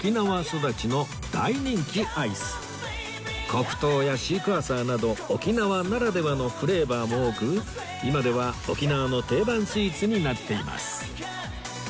黒糖やシークヮーサーなど沖縄ならではのフレーバーも多く今では沖縄の定番スイーツになっています